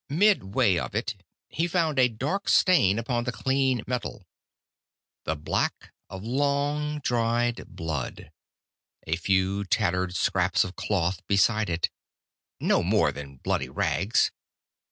Midway of it he found a dark stain upon the clean metal. The black of long dried blood. A few tattered scraps of cloth beside it. No more than bloody rags.